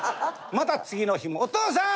また次の日も「お父さん！